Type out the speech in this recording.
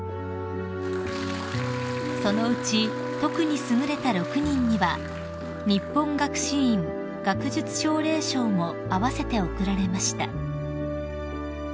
［そのうち特に優れた６人には日本学士院学術奨励賞も併せて贈られました］